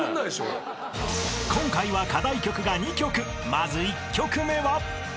［まず１曲目は］